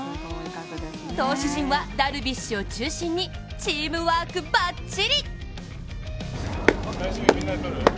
投手陣はダルビッシュを中心にチームワークばっちり。